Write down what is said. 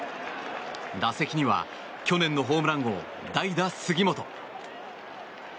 打席には去年のホームラン王代打、杉本。